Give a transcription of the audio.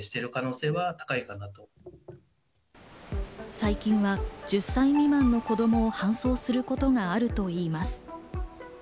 最近は１０歳未満の子供を搬送することもあるといいます。